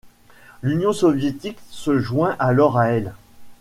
L'Union soviétique se joint alors à elle.